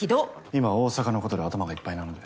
今は大阪のことで頭がいっぱいなので。